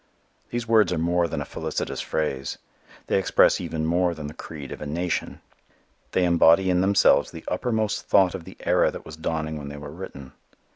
The words are more than a felicitous phrase. They express even more than the creed of a nation. They embody in themselves the uppermost thought of the era that was dawning when they were written.